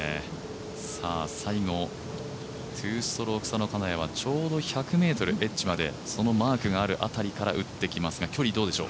最後、２ストローク差の金谷はちょうどエッジまで、マークがあるあたりまで打ってきますが距離はどうでしょう。